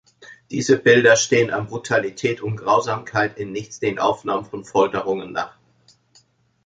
Diese Bilder stehen an Brutalität und Grausamkeit in nichts den Aufnahmen von Folterungen nach.